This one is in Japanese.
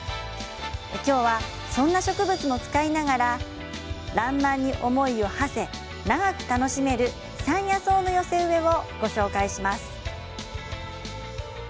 今日は、そんな植物も使いながら「らんまん」に思いをはせ長く楽しめる山野草の寄せ植えをご紹介します。